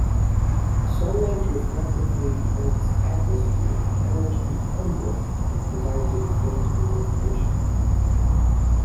Sunlight refracted through the Earth's atmosphere enters the umbra and provides a faint illumination.